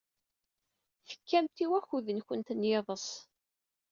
Tekkamt i wakud-nwent n yiḍes.